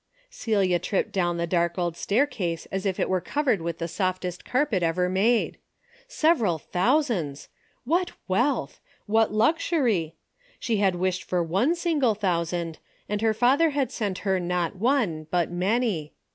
Celia tripped down the dark old stair case as if it were covered with the softest car pet ever made. Several thousands! What wealth ! What luxury ! She had wished for one single thousand, and her Father had sent her not one, but many.